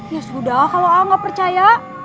ya sudah kalau aku gak percaya